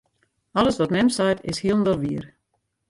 Alles wat mem seit, is hielendal wier.